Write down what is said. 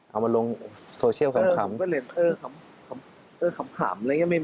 เอามาลงโซเชียลขีดขำ